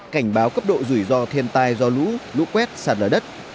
cảnh báo cấp độ rủi ro thiên tai do lũ lũ quét sạt lở đất